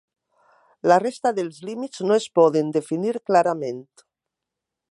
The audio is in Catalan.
La resta dels límits no es poden definir clarament.